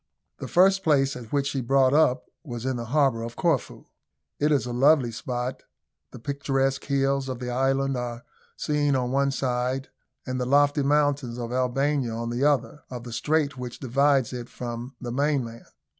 The first place at which she brought up was in the harbour of Corfu. It is a lovely spot. The picturesque hills of the island are seen on one side, and the lofty mountains of Albania on the other, of the strait which divides it from the mainland.